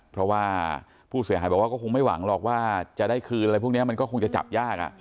เพราะว่าผู้เสียหายบอกว่าก็คงไม่หวังหรอกว่าจะได้คืนอะไรพวกนี้มันก็คงจะจับยาก